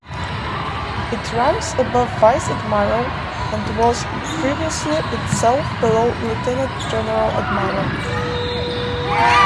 It ranks above vice admiral and was previously itself below Lieutenant general admiral.